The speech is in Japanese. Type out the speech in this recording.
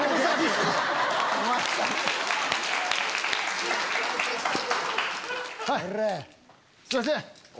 すいません！